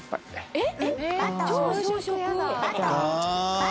えっ？